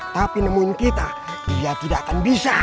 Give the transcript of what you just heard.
tapi nemuin kita dia tidak akan bisa